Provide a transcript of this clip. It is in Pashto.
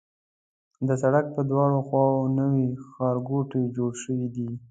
د سړک پر دواړو خواوو نوي ښارګوټي جوړ شوي دي.